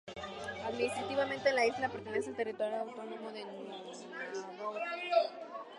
Administrativamente, la isla pertenece al territorio autónomo de Nunavut.